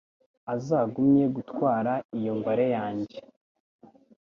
Azagumye gutwara iyo mbare yanjye.